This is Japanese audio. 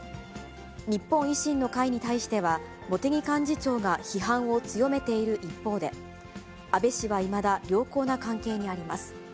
日本維新の会に対しては、茂木幹事長が批判を強めている一方で、安倍氏はいまだ良好な関係にあります。